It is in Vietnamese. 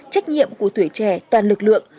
trách nhiệm của tuổi trẻ toàn lực lượng